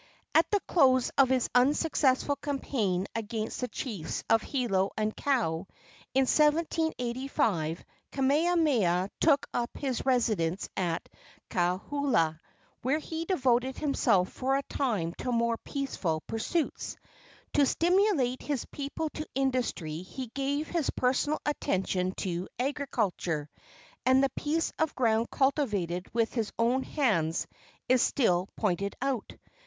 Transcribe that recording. At the close of his unsuccessful campaign against the chiefs of Hilo and Kau, in 1785, Kamehameha took up his residence at Kauhola, where he devoted himself for a time to more peaceful pursuits. To stimulate his people to industry he gave his personal attention to agriculture, and the piece of ground cultivated with his own hands is still pointed out.